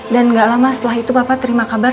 dan gak lama setelah itu papa terima kabar